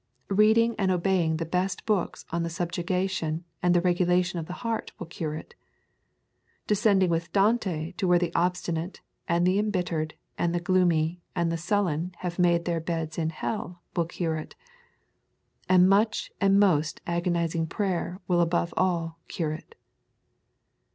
Reading and obeying the best books on the subjugation and the regulation of the heart will cure it. Descending with Dante to where the obstinate, and the embittered, and the gloomy, and the sullen have made their beds in hell will cure it. And much and most agonising prayer will above all cure it.